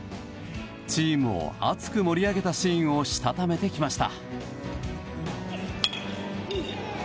チームを熱く盛り上げたシーンをしたためてきました。